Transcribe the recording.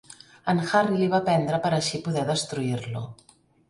En Harry l'hi va prendre per a així poder destruir-lo.